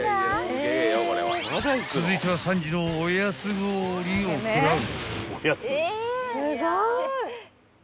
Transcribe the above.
［続いては３時のおやつ氷を食らう］